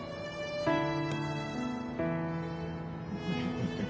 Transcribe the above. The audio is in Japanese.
フフフフ。